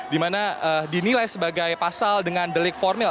di mana dinilai sebagai pasal dengan delik formil